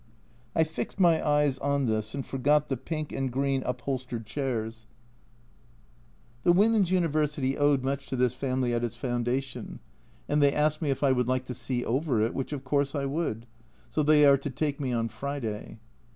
I fixed my eyes on this and forgot the pink and green upholstered chairs. 164 A Journal from Japan The Women's University owed much to this family at its foundation, and they asked me if I would like to see over it, which of course I would, so they are to take me on Friday.